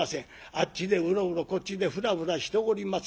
あっちでうろうろこっちでふらふらしております